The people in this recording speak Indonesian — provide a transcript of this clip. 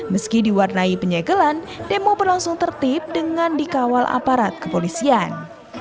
meski diwarnai penyegelan demo berlangsung tertib dengan dikawal aparat kepolisian